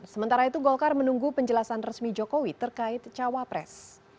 sementara itu golkar menunggu penjelasan resmi jokowi terkait cawapres